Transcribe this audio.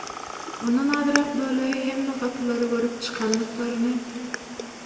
ondan azyrak bölegi hemme gapylary görüp çykandyklaryny